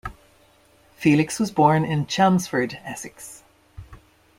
Felix was born in Chelmsford, Essex.